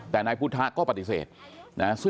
แต่นายพุทธะก็ปฏิเสธนะ